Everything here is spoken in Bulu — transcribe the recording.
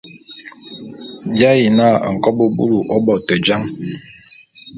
Bi ayi na nkobô búlù ô bo te jan.